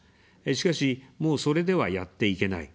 しかし、もう、それでは、やっていけない。